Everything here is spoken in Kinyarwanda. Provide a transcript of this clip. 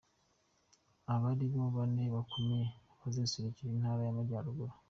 Aba nibo bane bakomeje, bazaserukira Intara y'Amajyaruguru.